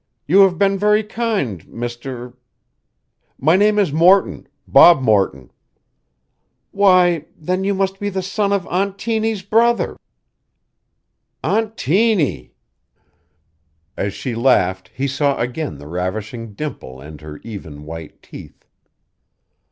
"You have been very kind, Mr. " "My name is Morton Bob Morton." "Why! Then you must be the son of Aunt Tiny's brother?" "Aunt Tiny!" As she laughed he saw again the ravishing dimple and her even, white teeth.